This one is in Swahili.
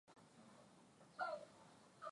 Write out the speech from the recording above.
umoja wa kujihami wa nchi za magharibi nato